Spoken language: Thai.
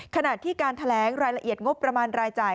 ขณะที่การแถลงรายละเอียดงบประมาณรายจ่าย